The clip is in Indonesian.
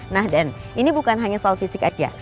nah dan ini bukan hanya soal fisik aja